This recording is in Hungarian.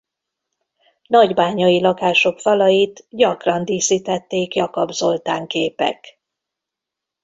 Nagybányai lakások falait gyakran díszítették Jakab Zoltán képek.